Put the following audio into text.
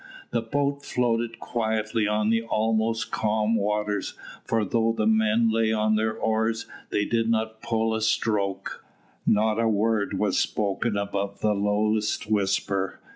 The boat floated quietly on the almost calm waters, for though the men lay on their oars, they did not pull a stroke. Not a word was spoken above the lowest whisper.